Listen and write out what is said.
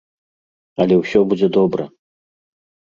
Але ўсе будзе добра!